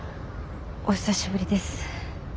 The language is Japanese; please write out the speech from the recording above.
お久しぶりです。